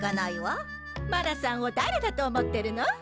マナさんをだれだと思ってるの？